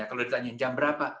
kalau ditanya jam berapa